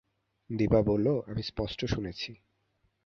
দিপা বলল, আমি স্পষ্ট শুনেছি।